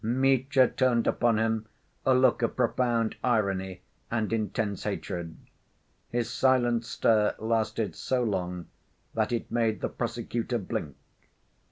Mitya turned upon him a look of profound irony and intense hatred. His silent stare lasted so long that it made the prosecutor blink.